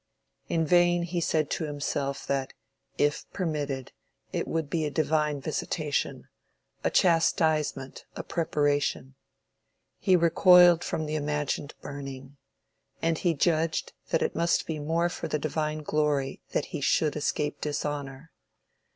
In vain he said to himself that, if permitted, it would be a divine visitation, a chastisement, a preparation; he recoiled from the imagined burning; and he judged that it must be more for the Divine glory that he should escape dishonor.